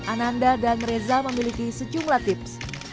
ananda dan reza memiliki sejumlah tips